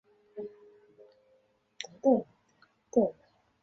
两个站厅在非付费区互不相通。